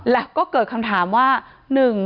และก็เกิดคำถามว่าหนึ่ง